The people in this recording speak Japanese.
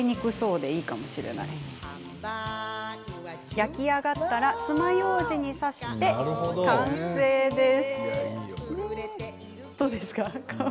焼き上がったらつまようじに刺して完成です。